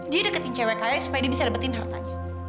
dia deketin cewek kaya supaya dia bisa debetin hartanya